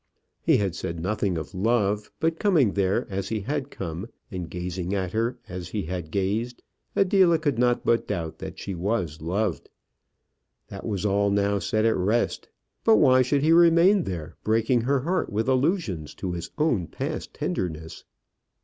He had said nothing of love; but coming there as he had come, and gazing at her as he had gazed, Adela could not doubt but that she was loved. That was all now set at rest; but why should he remain there, breaking her heart with allusions to his own past tenderness?